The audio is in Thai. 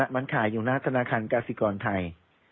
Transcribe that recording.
มันขายอยู่หน้าธนาคารกาศิกรไทย